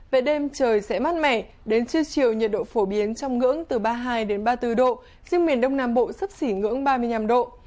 về đêm trời sẽ mát mẻ đến trưa chiều nhiệt độ phổ biến trong ngưỡng từ ba mươi hai đến ba mươi bốn độ riêng miền đông nam bộ sấp xỉ ngưỡng ba mươi năm độ